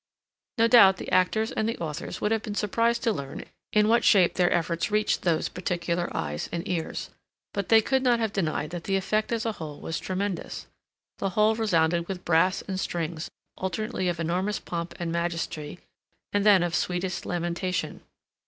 No doubt the actors and the authors would have been surprised to learn in what shape their efforts reached those particular eyes and ears; but they could not have denied that the effect as a whole was tremendous. The hall resounded with brass and strings, alternately of enormous pomp and majesty, and then of sweetest lamentation.